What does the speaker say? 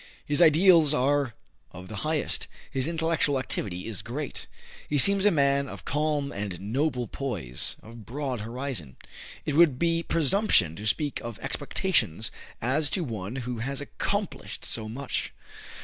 His ideals are of the highest. His intellectual activity is great. He seems a man of calm and noble poise, of broad horizon. It would be presumption to speak of "expectations" as to one who has accomplished so much.